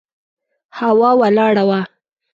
هوا ولاړه وه.